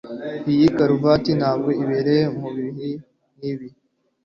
Iyi karuvati ntabwo ibereye mubihe nkibi.